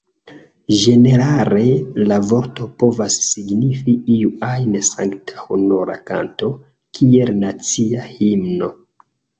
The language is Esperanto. Ĝenerale, la vorto povas signifi iu ajn sankta honora kanto, kiel nacia himno.